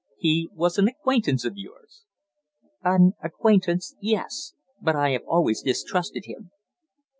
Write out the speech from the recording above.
"He was an acquaintance of yours?" "An acquaintance yes. But I have always distrusted him."